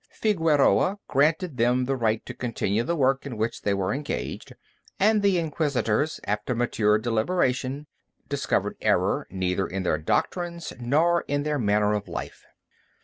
Figueroa granted them the right to continue the work in which they were engaged, and the Inquisitors, after mature deliberation, discovered error neither in their doctrines nor in their manner of life.